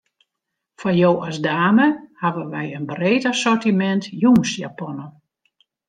Foar jo as dame hawwe wy in breed assortimint jûnsjaponnen.